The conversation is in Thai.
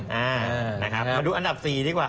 เอานะครับมาดูอันดับ๔ดีกว่า